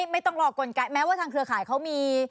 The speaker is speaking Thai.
ไม่ต้องรอกลไกแม้ว่าทางเครือข่ายเขามี